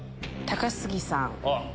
高杉さん。